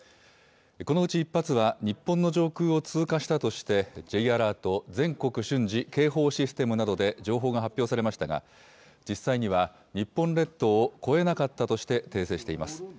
このうち１発は、日本の上空を通過したとして、Ｊアラート・全国瞬時警報システムなどで情報が発表されましたが、実際には日本列島を越えなかったとして訂正しています。